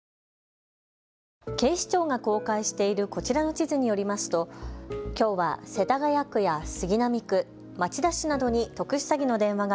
警視庁が公開しているこちらの地図によりますときょうは世田谷区や杉並区、町田市などに特殊詐欺の電話が